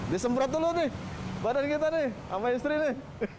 disemprot dulu nih badan kita nih sama istri nih